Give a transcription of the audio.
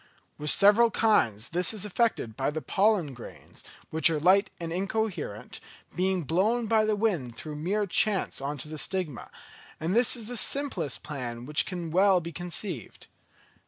With several kinds this is effected by the pollen grains, which are light and incoherent, being blown by the wind through mere chance on to the stigma; and this is the simplest plan which can well be conceived.